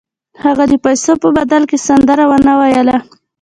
هغه د پیسو په بدل کې سندره ونه ویله